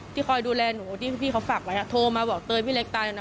คอยดูแลหนูที่พี่เขาฝากไว้โทรมาบอกเตยพี่เล็กตายแล้วนะ